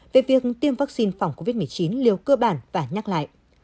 về việc tiêm vắc xin phòng covid một mươi chín liêu cơ bản và nhắc lại